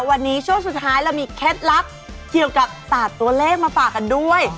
วันนี้ช่วงสุดท้ายเรามีเคล็ดลับเกี่ยวกับศาสตร์ตัวเลขมาฝากกันด้วย